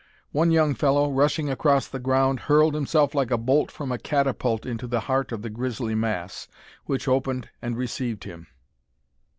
One young fellow, rushing across the ground, hurled himself like a bolt from a catapult into the heart of the grisly mass, which opened and received him.